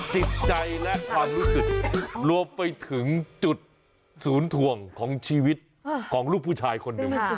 จิตใจและความรู้สึกรวมไปถึงจุดศูนย์ถ่วงของชีวิตของลูกผู้ชายคนหนึ่ง